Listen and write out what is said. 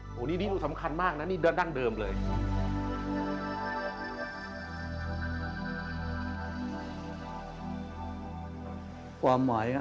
โอ้โหนี่ดูสำคัญมากนะนี่ดั้งเดิมเลย